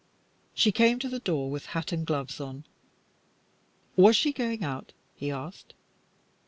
She came to the door with hat and gloves on. Was she going out? he asked.